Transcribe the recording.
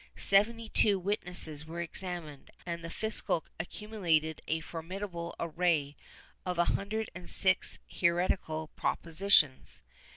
Seventy two witnesses were examined, and the fiscal accumulated a formidable array of a hundred and sixty six heretical propositions.